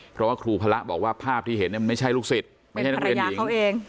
เพราะว่าครูพระบอกว่าภาพที่เห็นมันไม่ใช่ลูกศิษย์ไม่ใช่นักเรียนหญิงเขาเอง